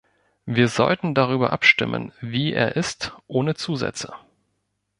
Wir sollten darüber abstimmen, wie er ist, ohne Zusätze.